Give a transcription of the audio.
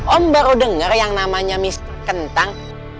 om baru denger yang namanya mister kentang